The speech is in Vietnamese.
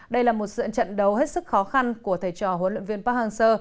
đây là một sự trận đấu hết sức khó khăn của thầy trò huấn luyện viên park hang seo